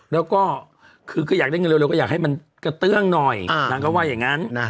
แล้วก็คืออยากได้เงินเร็วก็อยากให้มันกระเตื้องหน่อยนางก็ว่าอย่างนั้น